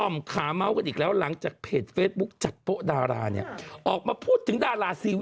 ไม่ได้เดี๋ยวก่อนหลัง๑๐พฤศจิกาว่ากันใหม่